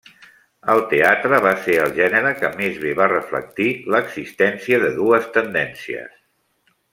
El teatre va ser el gènere que més bé va reflectir l'existència de dues tendències.